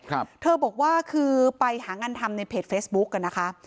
ครับเธอบอกว่าคือไปหางานทำในเพจเฟซบุ๊กอ่ะนะคะ